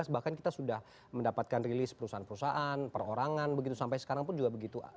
dua ribu lima belas bahkan kita sudah mendapatkan rilis perusahaan perusahaan perorangan begitu sampai sekarang pun juga begitu